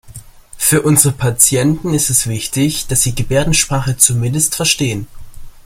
Für unsere Patienten ist es wichtig, dass Sie Gebärdensprache zumindest verstehen.